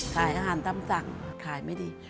ขายอาหารตำสั่งขายไม่ดี